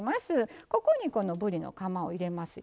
ここにこのぶりのカマを入れますよ。